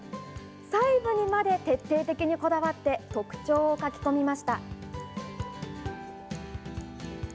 細部にまで徹底的にこだわって、特徴を書き込みました。